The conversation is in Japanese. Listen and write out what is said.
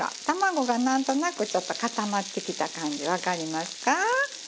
卵がなんとなくちょっと固まってきた感じわかりますか？